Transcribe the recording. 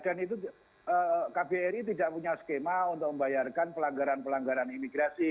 dan itu kbri tidak punya skema untuk membayarkan pelanggaran pelanggaran imigrasi